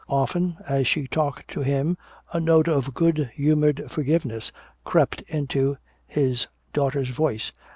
Often as she talked to him a note of good humored forgiveness crept into his daughter's voice.